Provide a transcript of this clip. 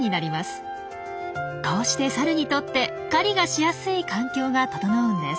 こうしてサルにとって狩りがしやすい環境が整うんです。